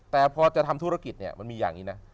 แต่พอจะทำธุรกิจเนี่ยมันมีอย่างนี้นะ